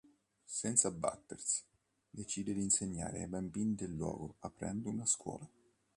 Senza abbattersi, decide di insegnare ai bambini del luogo aprendo una scuola.